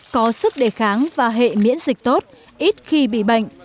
có sức đề kháng và hệ miễn dịch tốt ít khi bị bệnh